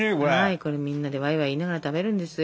これみんなでワイワイ言いながら食べるんですよ。